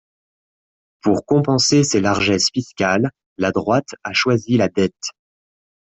Pour compenser ses largesses fiscales, la droite a choisi la dette.